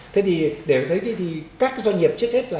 thế thì để thấy thế thì các doanh nghiệp trước hết là